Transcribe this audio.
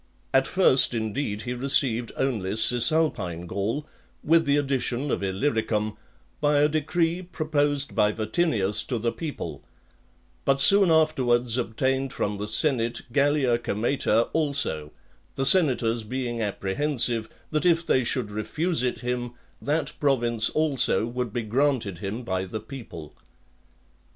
At first indeed he received only Cisalpine Gaul, with the addition of Illyricum, by a decree proposed by Vatinius to the people; but soon afterwards obtained from the senate Gallia Comata also, the senators being apprehensive, that if they should refuse it him, that province, also, would be granted him by the people.